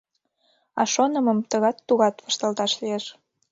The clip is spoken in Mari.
А шонымым тыгат-тугат вашталташ лиеш...